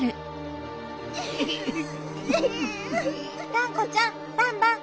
がんこちゃんバンバン！